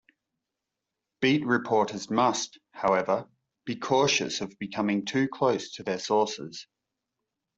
Beat reporters must, however, be cautious of becoming too close to their sources.